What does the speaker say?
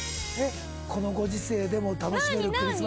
このご時世でも楽しめるクリスマス？